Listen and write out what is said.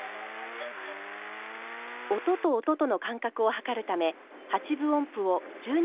音と音との間隔を測るため８分音符を１２分割します。